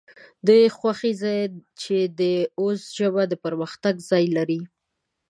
د خوښۍ ځای د چې اوس ژبه د پرمختګ ځای لري